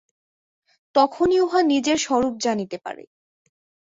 তখনই উহা নিজের স্বরূপ জানিতে পারে।